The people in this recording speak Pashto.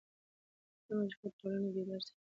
سیاسي مشارکت ټولنه بیداره ساتي